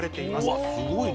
うわっすごいね。